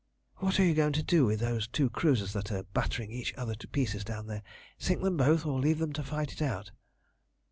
"What are you going to do with those two cruisers that are battering each other to pieces down there? Sink them both, or leave them to fight it out?"